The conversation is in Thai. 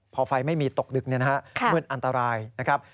พอไฟไม่มีตกดึกมืดอันตรายนะครับ